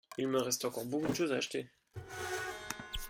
Il me reste encore beaucoup de choses à acheter.